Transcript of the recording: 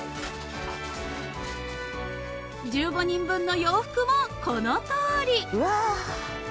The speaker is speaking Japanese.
［１５人分の洋服もこのとおり］